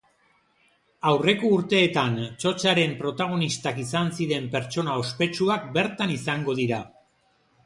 Aurreko urteetan txotxaren protagonistak izan ziren pertsona ospetsuak bertan izango dira.